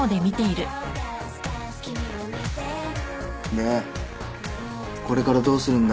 でこれからどうするんだ？